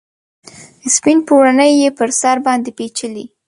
سپین پوړنې یې پر سر باندې پیچلي